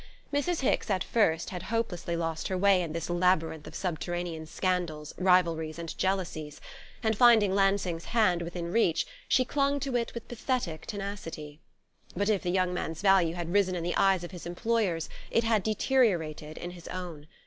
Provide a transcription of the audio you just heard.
Mrs. Hicks, at first, had hopelessly lost her way in this labyrinth of subterranean scandals, rivalries and jealousies; and finding Lansing's hand within reach she clung to it with pathetic tenacity. But if the young man's value had risen in the eyes of his employers it had deteriorated in his own.